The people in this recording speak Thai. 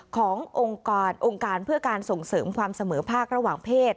ขององค์การเพื่อการส่งเสริมความเสมอภาคระหว่างเพศ